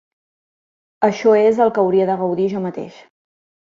Això és el que hauria de gaudir jo mateix.